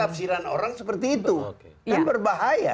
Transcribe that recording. tafsiran orang seperti itu kan berbahaya